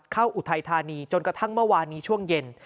อุทัยธานีจนกระทั่งเมื่อวานนี้ช่วงเย็น